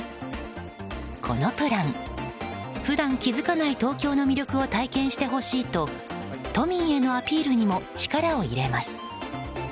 このプラン、普段気付かない東京の魅力を体験してほしいと都民へのアピールにも力を入れます。